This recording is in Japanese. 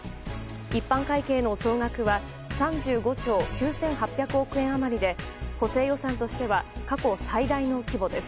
一般会計の総額は３５兆９８００億円余りで補正予算としては過去最大の規模です。